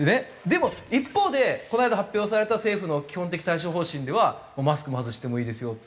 でも一方でこの間発表された政府の基本的対処方針ではマスクも外してもいいですよ。